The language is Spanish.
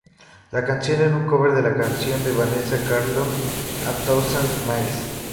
La canción era un cover de la canción de Vanessa Carlton, "A Thousand Miles".